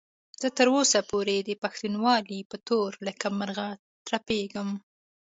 زه تر اوسه پورې د پښتونولۍ په تور لکه مرغه ترپېږم.